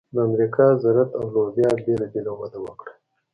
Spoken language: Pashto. د امریکا ذرت او لوبیا بېله بېله وده وکړه.